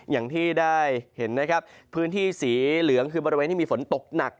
อย่างที่ได้เห็นนะครับพื้นที่สีเหลืองคือบริเวณที่มีฝนตกหนัก